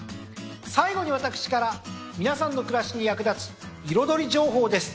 最後に私から皆さんの暮らしに役立つ彩り情報です。